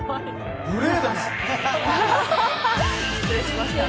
失礼しました。